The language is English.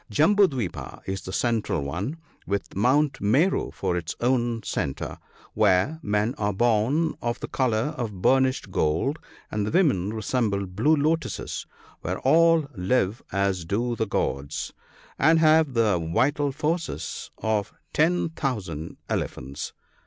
Jambu dwipa is the central one, with Mount Meru for its own centre, where " men are born of the colour of burnished gold, and the women resemble blue lotuses ; where all live as do the gods, and have the vital forces of 10,000 elephants."